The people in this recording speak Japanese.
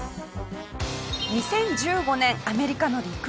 ２０１５年アメリカの陸上大会。